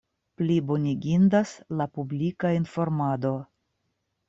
Plibonigindas la publika informado.